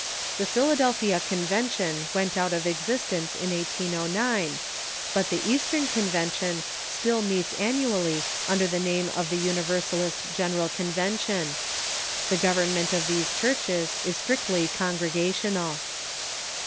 The Philadelphia Convention Avent out of existence in 1809, but the Eastern Convention still meets annually under the name of the Universalist General Convention. The gov ernment of these churches is strictly Congregational.